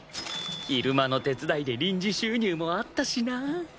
昼間の手伝いで臨時収入もあったしな。